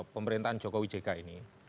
pemerintahan jokowi jk ini